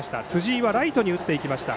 辻井はライトに打っていきました。